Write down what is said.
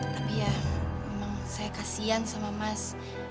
tapi ya memang saya kasian sama mas